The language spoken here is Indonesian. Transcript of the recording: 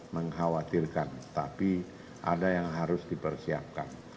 mengkhawatirkan tapi ada yang harus dipersiapkan